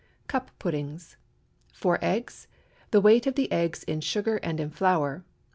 CUP PUDDINGS. 4 eggs. The weight of the eggs in sugar and in flour.